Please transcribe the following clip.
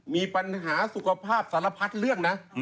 มีปัญหาสุขภาพสารพัดเรื่องนะ